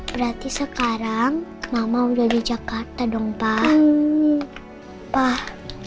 berarti sekarang mama udah di jakarta dong pak